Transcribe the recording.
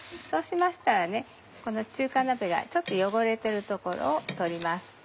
そうしましたらこの中華鍋がちょっと汚れている所を取ります。